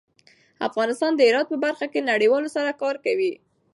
افغانستان د هرات په برخه کې نړیوالو سره کار کوي.